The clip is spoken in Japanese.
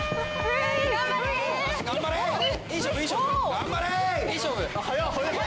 頑張れ！